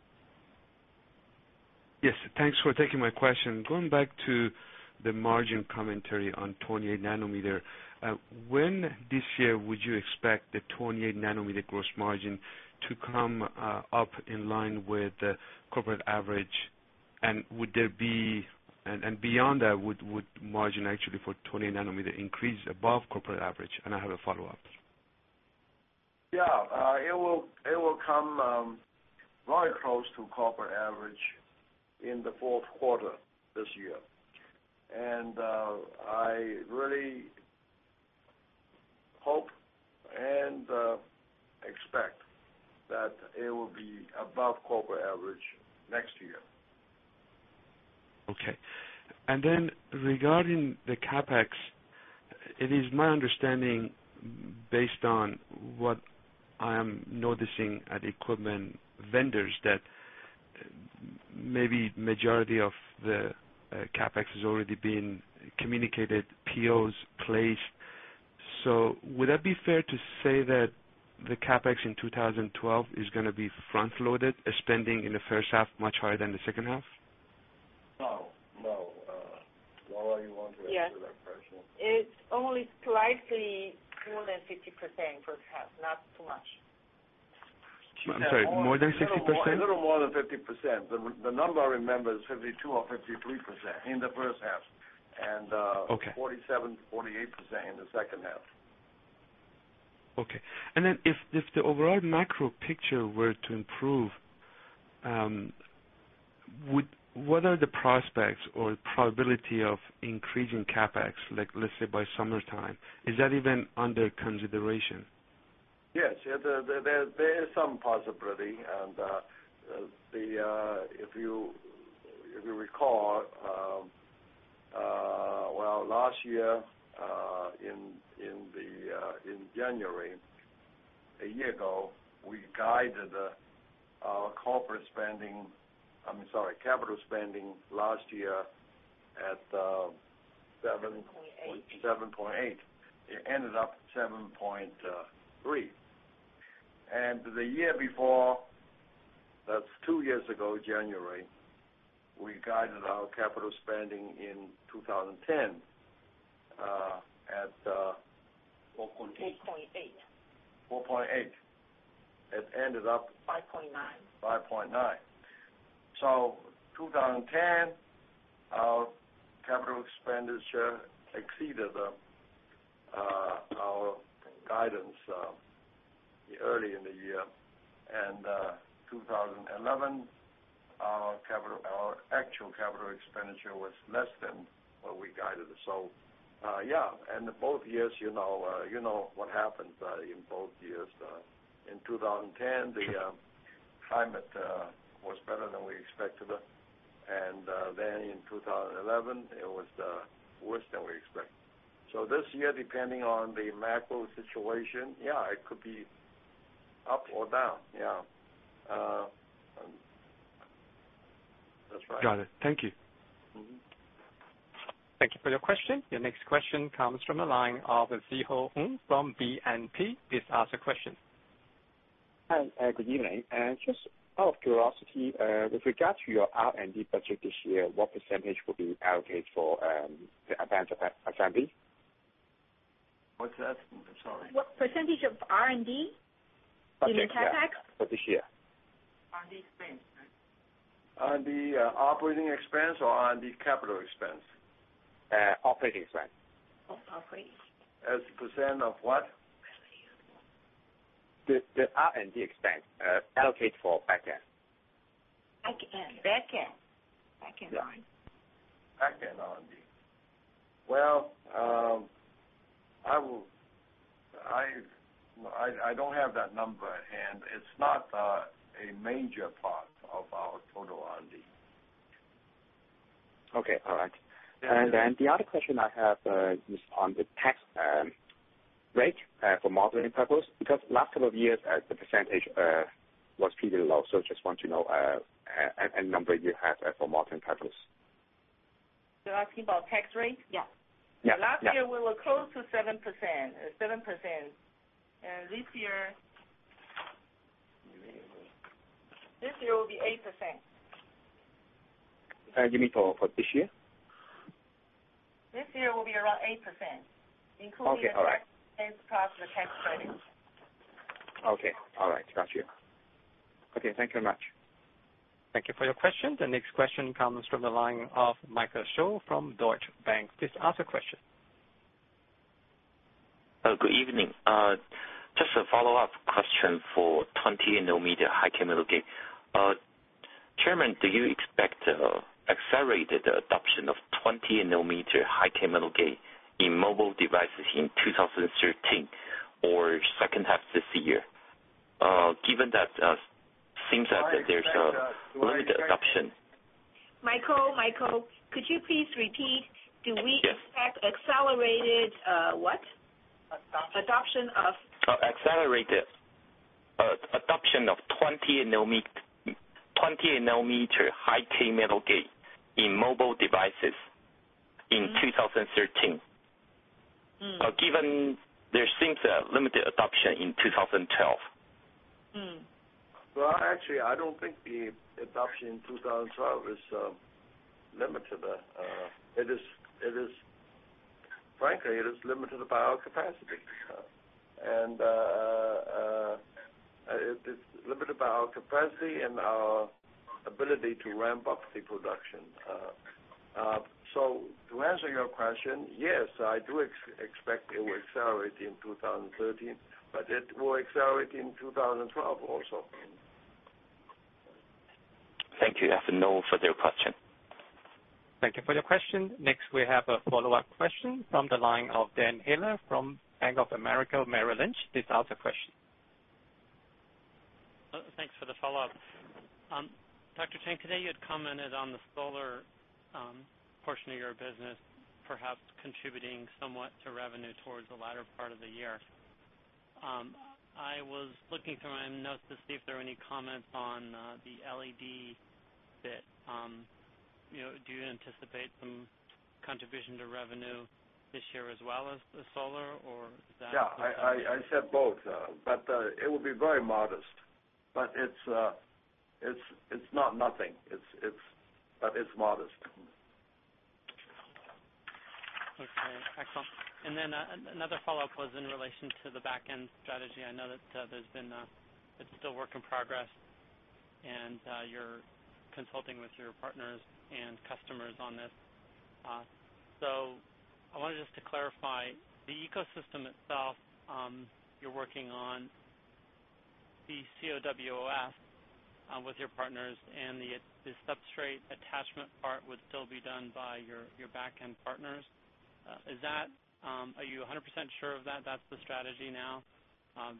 [SPEAKER 8] Yes. Thanks for taking my question. Going back to the margin commentary on 28 nm, when this year would you expect the 28 nm gross margin to come up in line with the corporate average? Would there be, beyond that, would margin actually for 28 nm increase above corporate average? I have a follow-up.
[SPEAKER 4] It will come very close to corporate average in the fourth quarter this year. I really hope and expect that it will be above corporate average next year.
[SPEAKER 8] Okay. Regarding the CapEx, it is my understanding, based on what I am noticing at equipment vendors, that maybe the majority of the CapEx has already been communicated, POs, CLAs. Would that be fair to say that the CapEx in 2012 is going to be front-loaded, with spending in the first half much higher than the second half?
[SPEAKER 4] No. What are you wanting to answer that question?
[SPEAKER 3] It's only slightly more than 60% in the first half, not too much.
[SPEAKER 8] I'm sorry, more than 60%?
[SPEAKER 4] A little more than 50%. The number I remember is 52% or 53% in the first half and 47%-8% in the second half.
[SPEAKER 8] If the overall macro picture were to improve, what are the prospects or the probability of increasing CapEx, like let's say by summertime? Is that even under consideration?
[SPEAKER 4] Yes. Yeah. There is some possibility. If you recall, last year in January, a year ago, we guided our corporate spending, I mean, sorry, capital spending last year at NT$7.8 billion. It ended up NT$7.3 billion. The year before, that's two years ago, January, we guided our capital spending in 2010 at.
[SPEAKER 3] 4.8%
[SPEAKER 4] 4.8%. It ended up.
[SPEAKER 3] 5.9%
[SPEAKER 4] In 2010, our capital expenditure exceeded our guidance early in the year. In 2011, our actual capital expenditure was less than what we guided. Both years, you know what happened in both years. In 2010, the climate was better than we expected. In 2011, it was the worst that we expected. This year, depending on the macro situation, it could be up or down. That's right.
[SPEAKER 8] Got it. Thank you.
[SPEAKER 1] Thank you for your question. The next question comes from the line of Szeho from BNP Paribas. Please ask a question.
[SPEAKER 9] Hi. Good evening. Just out of curiosity, with regard to your R&D budget this year, what % will be allocated for the advanced assembly?
[SPEAKER 4] I'm sorry. What's that?
[SPEAKER 3] What percentage of R&D? You mean capital expenditure?
[SPEAKER 9] For this year.
[SPEAKER 3] R&D expense, right?
[SPEAKER 4] R&D operating expense or R&D capital expense?
[SPEAKER 9] Operating expense.
[SPEAKER 3] Oh, operating expense.
[SPEAKER 4] As a % of what?
[SPEAKER 9] The R&D expense allocated for backend.
[SPEAKER 3] Backend. Backend. Backend R&D.
[SPEAKER 4] Backend R&D. I don't have that number, and it's not a major part of our total R&D.
[SPEAKER 9] All right. The other question I have is on the tax rate for marketing purpose. Because the last couple of years, the percentage was pretty low. I just want to know any number you have for marketing purpose.
[SPEAKER 3] You're asking about tax rate?
[SPEAKER 9] Yeah.
[SPEAKER 3] Last year, we were close to 7%. 7%. This year will be 8%.
[SPEAKER 9] Do you mean for this year?
[SPEAKER 3] This year will be around 8%, including the tax cuts for tax credits.
[SPEAKER 9] Okay. All right. Got you. Okay. Thank you very much.
[SPEAKER 1] Thank you for your question. The next question comes from the line of Michael Chou from Deutsche Bank. Please ask a question.
[SPEAKER 10] Oh, good evening. Just a follow-up question for 20 nm high-chemical gate. Chairman, do you expect an accelerated adoption of 20 nm high-chemical gate in mobile devices in 2013 or second half this year, given that it seems that there's a limited adoption.
[SPEAKER 3] Michael, could you please repeat? Do we expect accelerated, what? Adoption of.
[SPEAKER 10] Oh, accelerated adoption of 28 nm node high-k metal gate in mobile devices in 2013, given there seems a limited adoption in 2012.
[SPEAKER 4] I don't think the adoption in 2012 is limited. It is, frankly, limited by our capacity. It's limited by our capacity and our ability to ramp up the production. To answer your question, yes, I do expect it will accelerate in 2013, but it will accelerate in 2012 also.
[SPEAKER 10] Thank you. That's a no for your question.
[SPEAKER 1] Thank you for your question. Next, we have a follow-up question from the line of Dan Hale from BofA Securities. Please ask a question.
[SPEAKER 6] Thanks for the follow-up. Dr. Chang, today you had commented on the solar portion of your business, perhaps contributing somewhat to revenue towards the latter part of the year. I was looking through my own notes to see if there are any comments on the LED bit. Do you anticipate some contribution to revenue this year as well as the solar, or is that?
[SPEAKER 4] Yeah, I said both. It will be very modest. It's not nothing, it's modest.
[SPEAKER 6] Okay. Excellent. Another follow-up was in relation to the backend strategy. I know that it's still a work in progress, and you're consulting with your partners and customers on this. I wanted just to clarify, the ecosystem itself, you're working on the CoWoS with your partners, and the substrate attachment part would still be done by your backend partners. Are you 100% sure of that? That's the strategy now,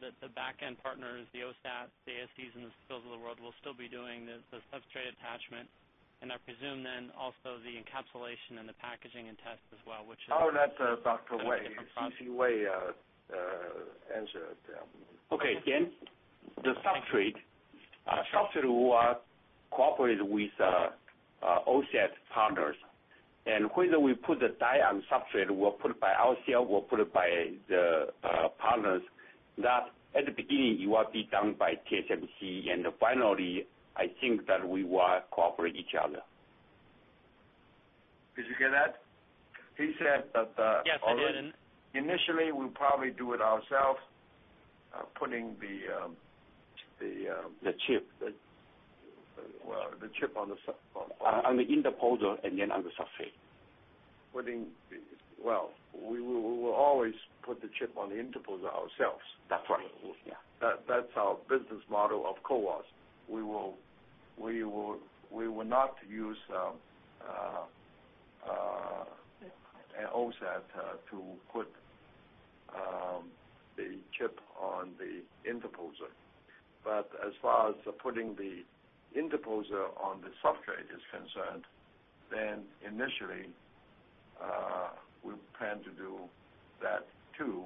[SPEAKER 6] that the backend partners, the OSAT, the ASCs, and the Spil of the world will still be doing the substrate attachment. I presume then also the encapsulation and the packaging and test as well, which is.
[SPEAKER 4] Oh, that Dr. C.C. Wei answered it.
[SPEAKER 5] The substrate will cooperate with OSAT partners. Whether we put the die on substrate, we'll put it by ourselves or we'll put it by the partners. At the beginning, it will be done by TSMC. Finally, I think that we will cooperate with each other.
[SPEAKER 4] Did you get that? He said that.
[SPEAKER 6] Yes, I did.
[SPEAKER 4] Initially, we'll probably do it ourselves, putting the chip on the chip. On the interposer and then on the substrate. We will always put the chip on the interposer ourselves. That's right, yeah. That's our business model of CoWoS. We will not use OSAT to put the chip on the interposer. As far as putting the interposer on the substrate is concerned, initially, we plan to do that too.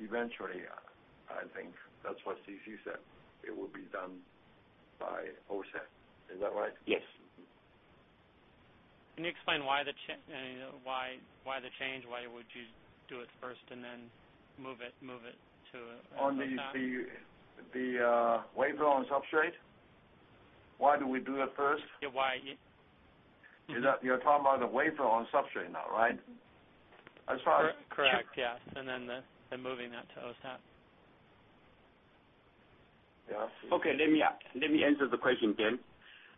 [SPEAKER 4] Eventually, I think that's what C.C. said. It will be done by OSAT. Is that right? Yes.
[SPEAKER 6] Can you explain why the change? Why would you do it first and then move it to a substrate?
[SPEAKER 4] On the wafer on substrate, why do we do it first?
[SPEAKER 6] Yeah, why?
[SPEAKER 4] You're talking about the wafer on substrate now, right? That's right?
[SPEAKER 6] Correct, yes. Moving that to OSAT.
[SPEAKER 4] Yes.
[SPEAKER 5] Okay. Let me answer the question again.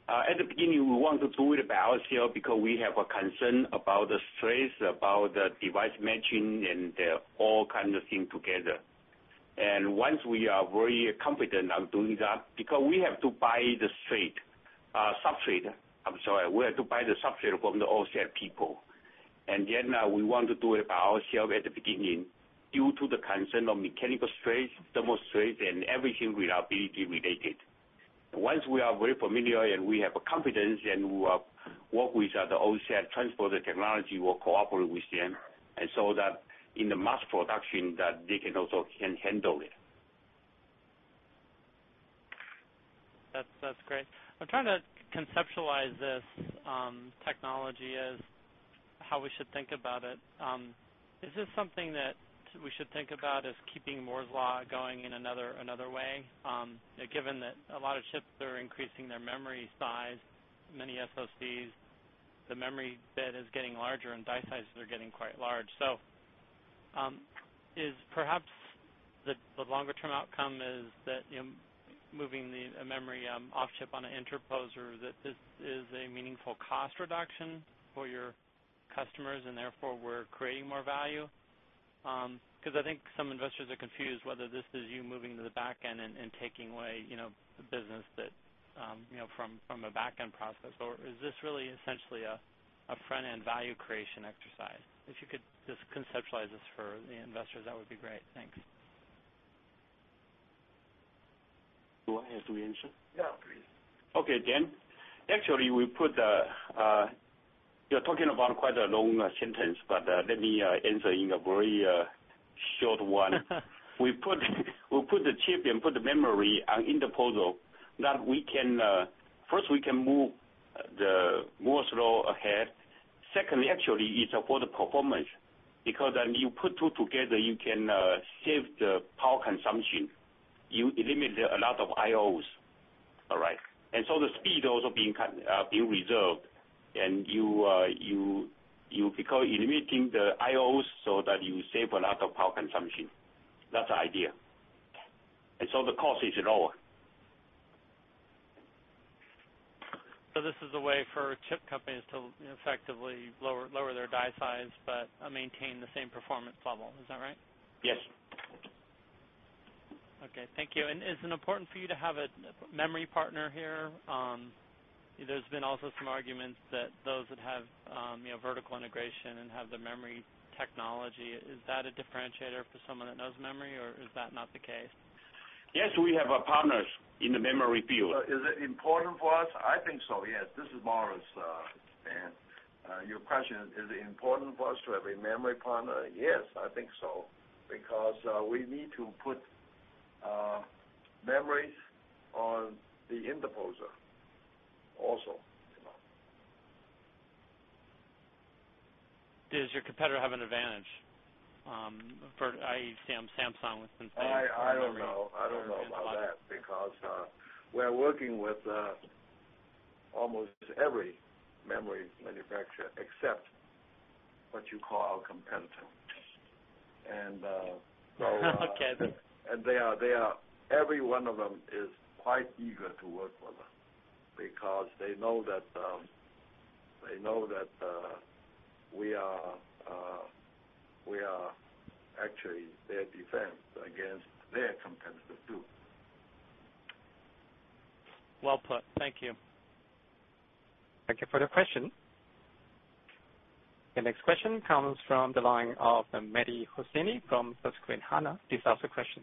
[SPEAKER 5] At the beginning, we want to do it by ourselves because we have a concern about the stress, about the device matching, and all kinds of things together. Once we are very confident on doing that, because we have to buy the substrate—I'm sorry, we have to buy the substrate from the OSAT people. We want to do it by ourselves at the beginning due to the concern of mechanical stress, thermal stress, and everything reliability-related. Once we are very familiar and we have confidence, we will work with the OSAT transporter technology. We'll cooperate with them so that in the mass production, they can also handle it.
[SPEAKER 6] That's great. I'm trying to conceptualize this technology as how we should think about it. Is this something that we should think about as keeping Moore's law going in another way? Given that a lot of chips are increasing their memory size, many SoCs, the memory bed is getting larger and die sizes are getting quite large. Is perhaps the longer-term outcome that, you know, moving the memory off chip on an interposer, that this is a meaningful cost reduction for your customers, and therefore, we're creating more value? I think some investors are confused whether this is you moving to the backend and taking away a business that, you know, from a backend process, or is this really essentially a frontend value creation exercise? If you could just conceptualize this for the investors, that would be great. Thanks.
[SPEAKER 5] Do I have to answer? Yeah. Okay, Dan. Actually, you're talking about quite a long sentence, but let me answer in a very short one. We put the chip and put the memory on interposer so that we can first move the Moore's law ahead. Secondly, it's for the performance because when you put two together, you can save the power consumption. You eliminate a lot of I/Os, all right? The speed is also being reserved. Because you're limiting the I/Os, you save a lot of power consumption. That's the idea. The cost is lower.
[SPEAKER 6] This is a way for chip companies to effectively lower their die size, but maintain the same performance level. Is that right?
[SPEAKER 5] Yes.
[SPEAKER 6] Thank you. Is it important for you to have a memory partner here? There's been also some arguments that those that have vertical integration and have the memory technology, is that a differentiator for someone that knows memory, or is that not the case?
[SPEAKER 4] Yes, we have partners in the memory field. Is it important for us? I think so. Yes. This is Morris. Your question, is it important for us to have a memory partner? Yes, I think so, because we need to put memories on the interposer also.
[SPEAKER 6] Does your competitor have an advantage? I see Samsung with those memory partners.
[SPEAKER 4] I don't know. I don't know about that because we're working with almost every memory manufacturer except what you call our competitor. Every one of them is quite eager to work with us because they know that we are actually their defense against their competitor too.
[SPEAKER 6] Thank you.
[SPEAKER 1] Thank you for the question. The next question comes from the line of Mehdi Hosseini from Susquehanna Financial Group. Hannah, please ask a question.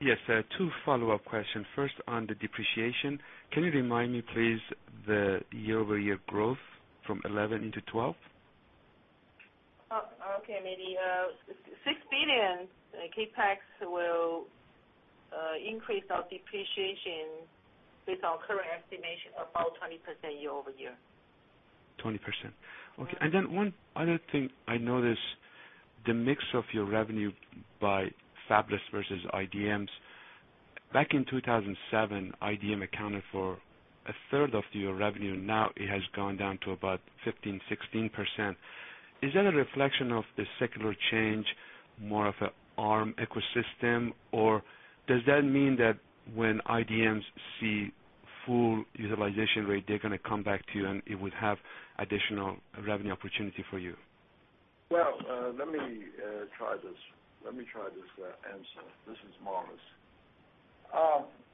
[SPEAKER 8] Yes. Two follow-up questions. First, on the depreciation, can you remind me, please, the year-over-year growth from 2011 into 2012?
[SPEAKER 3] Okay. Maybe NT$6 billion CapEx will increase our depreciation based on current estimation, about 20% yea- over-year.
[SPEAKER 8] 20%. Okay. One other thing I noticed, the mix of your revenue by Fabless versus IDMs. Back in 2007, IDM accounted for a third of your revenue. Now it has gone down to about 15%, 16%. Is that a reflection of the secular change, more of an ARM ecosystem, or does that mean that when IDMs see full utilization rate, they're going to come back to you and it would have additional revenue opportunity for you?
[SPEAKER 4] Let me try this answer. This is Morris.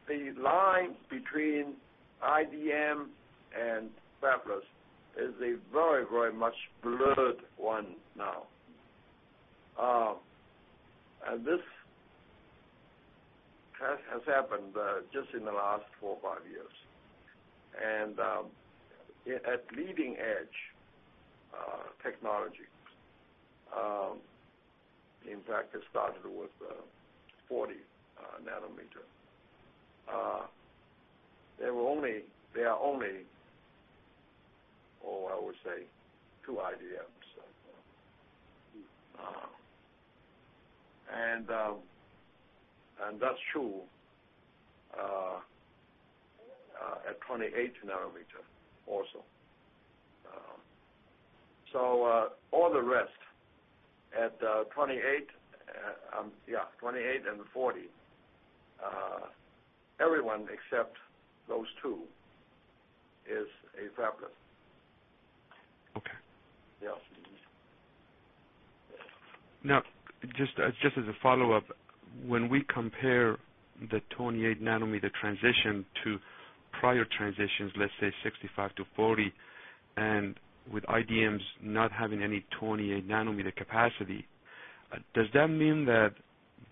[SPEAKER 4] The line between IDM and Fabless is a very, very much blurred one now. This has happened just in the last four or five years. At leading-edge technology, in fact, it started with the 40 nm node. There are only, oh, I would say, two IDMs. That's true at the 28 nm node also. All the rest at 28 nm, yeah, 28 nm and the 40 nm, everyone except those two is a Fabless.
[SPEAKER 8] Okay.
[SPEAKER 4] Yes.
[SPEAKER 8] Now, just as a follow-up, when we compare the 28 nm transition to prior transitions, let's say 65 nm-40 nm, and with IDMs not having any 28 nm capacity, does that mean that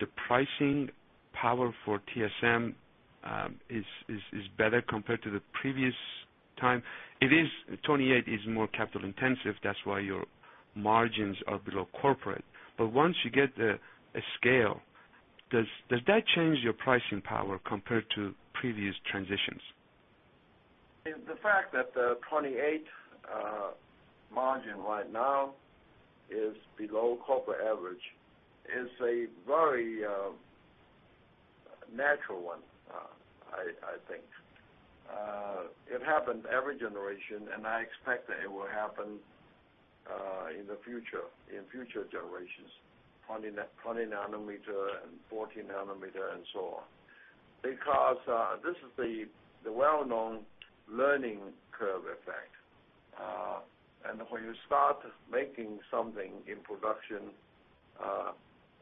[SPEAKER 8] the pricing power for TSMC is better compared to the previous time? It is 28 nm is more capital-intensive. That's why your margins are below corporate. Once you get a scale, does that change your pricing power compared to previous transitions?
[SPEAKER 4] The fact that the 28 nm node margin right now is below corporate average is a very natural one, I think. It happened every generation, and I expect that it will happen in the future, in future generations, 20 nm and 40 nm and so on. This is the well-known learning curve effect. When you start making something in production,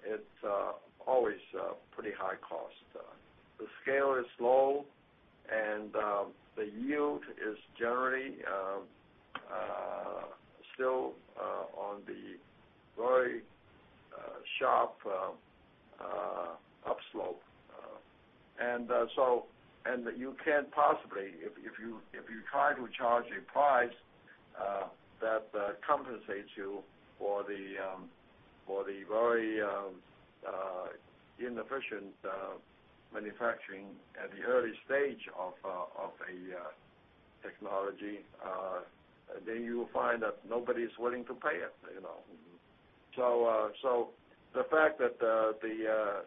[SPEAKER 4] it's always a pretty high cost. The scale is low, and the yield is generally still on the very sharp upslope. You can't possibly, if you try to charge a price that compensates you for the very inefficient manufacturing at the early stage of a technology, then you will find that nobody's willing to pay it. The fact that the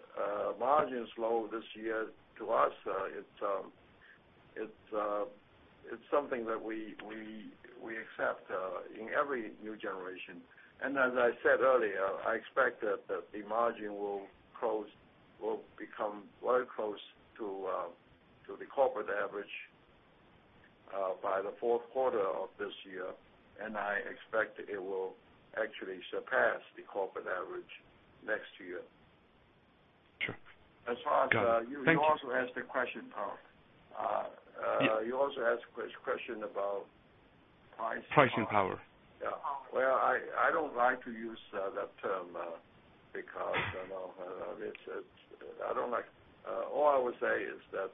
[SPEAKER 4] margin is low this year to us, it's something that we accept in every new generation. As I said earlier, I expect that the margin will close, will become very close to the corporate average by the fourth quarter of this year. I expect it will actually surpass the corporate average next year.
[SPEAKER 7] Sure.
[SPEAKER 4] You also asked a question about pricing.
[SPEAKER 8] Pricing power.
[SPEAKER 4] Yeah. I don't like to use that term because I don't like it. All I would say is that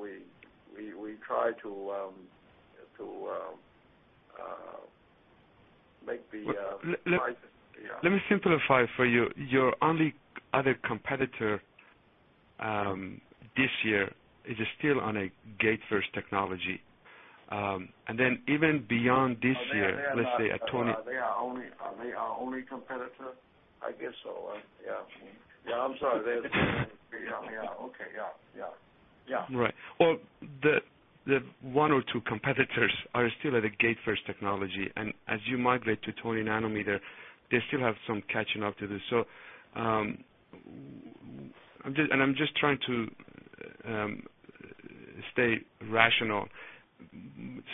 [SPEAKER 4] we try to make the pricing.
[SPEAKER 8] Let me simplify for you. Your only other competitor this year is still on a gate-first technology. Even beyond this year, let's say at 20nm.
[SPEAKER 4] They are our only competitor, I guess so. Yeah. I'm sorry. Yeah. Yeah. Okay. Yeah. Yeah. Yeah.
[SPEAKER 8] Right. The one or two competitors are still at a gate-first technology. As you migrate to 20 nm, they still have some catching up to do. I'm just trying to stay rational.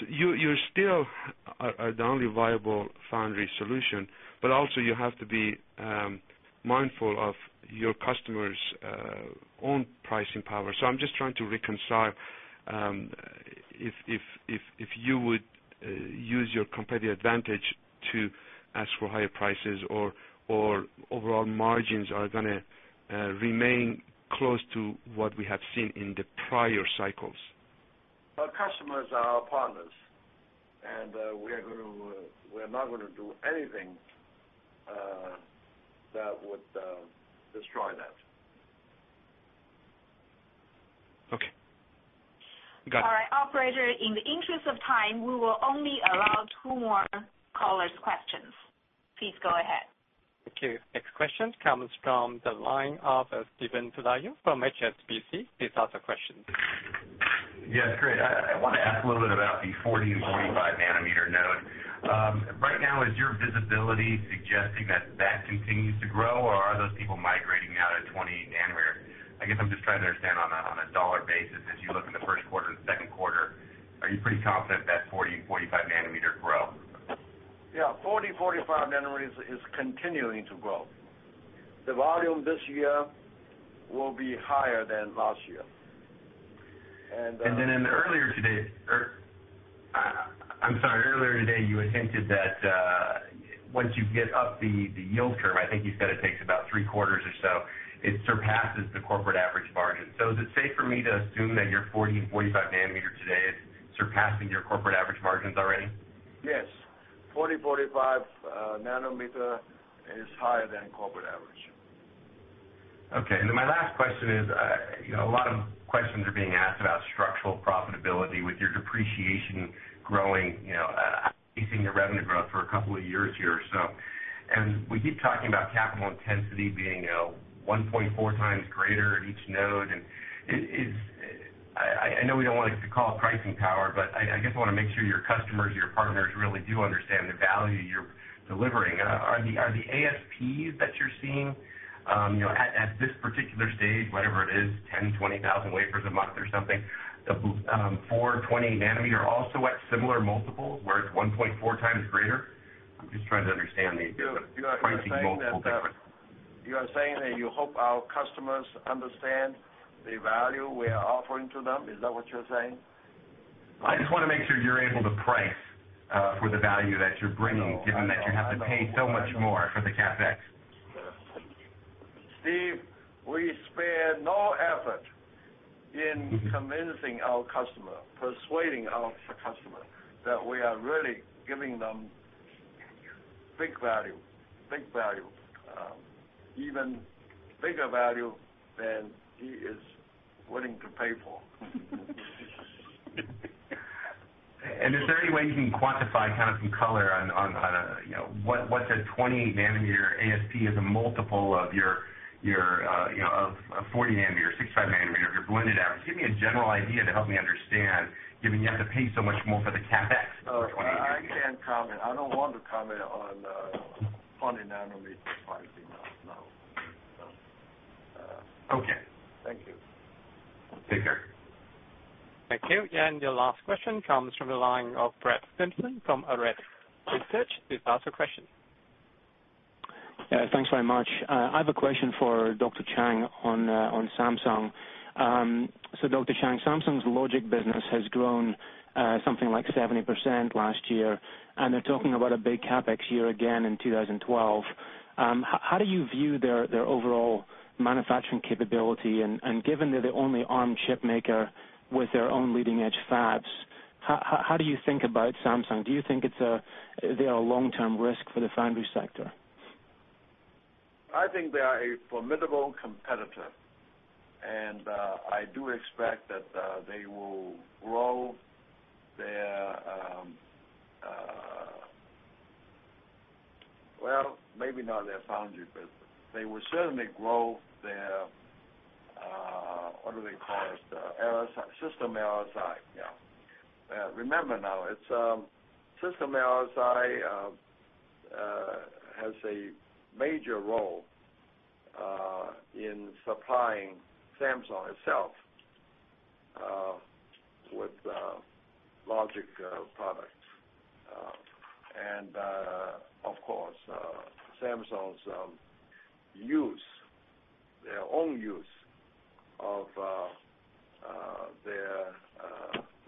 [SPEAKER 8] You're still our only viable foundry solution, but also, you have to be mindful of your customers' own pricing power. I'm just trying to reconcile if you would use your competitive advantage to ask for higher prices or if overall margins are going to remain close to what we have seen in the prior cycles.
[SPEAKER 4] Our customers are our partners, and we are going to, we're not going to do anything that would destroy that.
[SPEAKER 8] Okay, got it.
[SPEAKER 2] All right. Operator, in the interest of time, we will only allow two more callers' questions. Please go ahead.
[SPEAKER 1] Okay. Next question comes from the line of Steven Pelayo from HSBC. Please ask a question.
[SPEAKER 11] Yes. Great. I want to ask a little bit about the 40 nm and 45 nm node. Right now, is your visibility suggesting that that continues to grow, or are those people migrating now to 28 nm? I guess I'm just trying to understand on a dollar basis. As you look in the first quarter and second quarter, are you pretty confident that 40 nm and 45 nm grow?
[SPEAKER 4] Yeah. 40 nm and 45 nm is continuing to grow. The volume this year will be higher than last year.
[SPEAKER 11] Earlier today, you had hinted that once you get up the yield curve, I think you said it takes about three quarters or so, it surpasses the corporate average margin. Is it safe for me to assume that your 40nm and 45nm today is surpassing your corporate average margins already?
[SPEAKER 4] Yes. 40 nm and 45 nm is higher than corporate average.
[SPEAKER 11] Okay. My last question is, you know, a lot of questions are being asked about structural profitability with your depreciation growing, increasing your revenue growth for a couple of years here or so. We keep talking about capital intensity being 1.4x greater at each node. I know we don't want to call it pricing power, but I guess I want to make sure your customers, your partners really do understand the value you're delivering. Are the ASCs that you're seeing, you know, at this particular stage, whatever it is, 10,000, 20,000 wafers a month or something, the 4nm and 20nm are also at similar multiples, where it is 1.4x greater? I'm just trying to understand the pricing multiples.
[SPEAKER 4] You're saying that you hope our customers understand the value we are offering to them. Is that what you're saying?
[SPEAKER 11] I just want to make sure you're able to price for the value that you're bringing, given that you have to pay so much more for the CapEx.
[SPEAKER 4] We spare no effort in convincing our customer, persuading our customer that we are really giving them big value, big value, even bigger value than he is willing to pay for.
[SPEAKER 11] Is there any way you can quantify kind of in color on what's a 28 nm ASC or the multiple of your 40 nm, 65 nm? If you're blowing it out, just give me a general idea to help me understand, given you have to pay so much more for the CapEx.
[SPEAKER 4] I can't comment. I don't want to comment on 20 nm pricing. No. No. Okay. Thank you.
[SPEAKER 11] Take care.
[SPEAKER 1] Thank you. The last question comes from the line of Brett Simpson from Arete Research Services LLP. Please ask a question.
[SPEAKER 12] Yeah. Thanks very much. I have a question for Dr. Chang on Samsung. Dr. Chang, Samsung's logic business has grown something like 70% last year, and they're talking about a big CapEx year again in 2012. How do you view their overall manufacturing capability? Given they're the only ARM chip maker with their own leading-edge fabs, how do you think about Samsung? Do you think they are a long-term risk for the foundry sector?
[SPEAKER 4] I think they are a formidable competitor, and I do expect that they will grow their, maybe not their foundry, but they will certainly grow their, what do they call it, system LSI. Yeah. Remember now, it's system LSI has a major role in supplying Samsung itself. With logic products, and of course, Samsung's use, their own use of their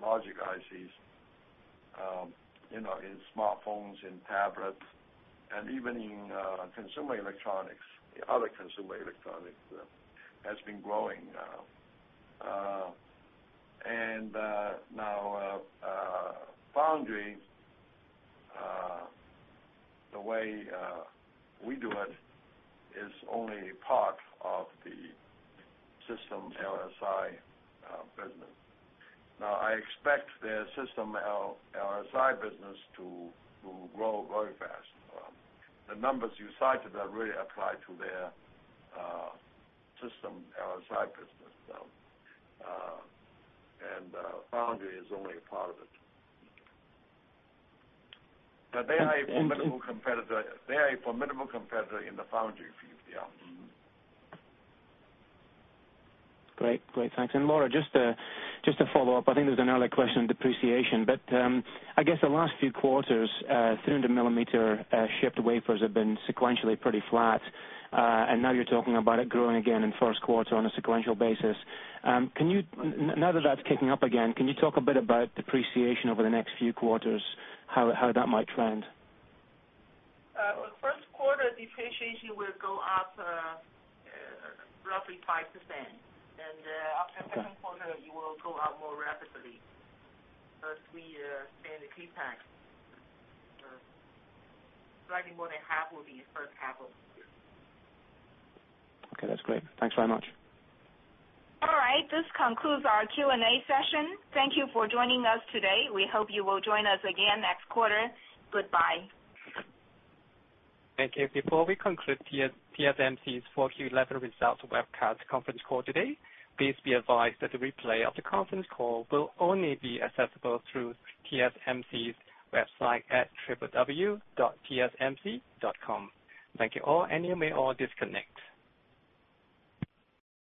[SPEAKER 4] logic ICs, you know, in smartphones and tablets and even in consumer electronics. The other consumer electronics has been growing, and now foundry, the way we do it, is only a part of the system LSI business. I expect their system LSI business to grow very fast. The numbers you cited are really applied to their system LSI business, and foundry is only a part of it. They are a formidable competitor. They are a formidable competitor in the foundry field. Yeah.
[SPEAKER 12] Great. Thanks. Maura, just a follow-up. I think there's an early question on depreciation. I guess the last few quarters, 300 mm shipped wafers have been sequentially pretty flat, and now you're talking about it growing again in the first quarter on a sequential basis. Now that that's kicking up again, can you talk a bit about depreciation over the next few quarters? How that might trend?
[SPEAKER 3] First quarter depreciation will go up, roughly 5%. After the second quarter, it will go up more rapidly because we spend CapEx, slightly more than half of the first half of the year.
[SPEAKER 12] Okay, that's great. Thanks very much.
[SPEAKER 2] All right. This concludes our Q&A session. Thank you for joining us today. We hope you will join us again next quarter. Goodbye. Thank you. Before we conclude TSMC's 4Q11 results webcast conference call today, please be advised that the replay of the conference call will only be accessible through TSMC's website at www.tsmc.com. Thank you all, and you may all disconnect.